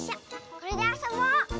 これであそぼう！